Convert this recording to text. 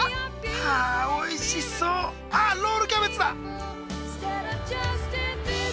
はあおいしそうあっロールキャベツだ！